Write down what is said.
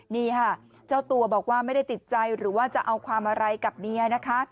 นี่ค่ะเจ้าตัวบอกว่าไม่ได้ติดใจหรือว่าจะเอาความอะไรกับเมียนะคะ